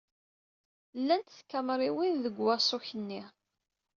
Llant tkamriwin deg waṣuk-nni.